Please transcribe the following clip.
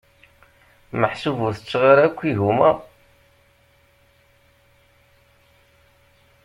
Meḥsub ur tetteɣ ara akk igumma.